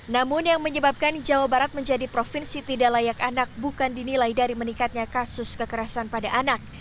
namun yang menyebabkan jawa barat menjadi provinsi tidak layak anak bukan dinilai dari meningkatnya kasus kekerasan pada anak